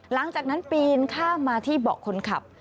หลังจากนั้นปีนข้ามมาที่เบาะคนขับ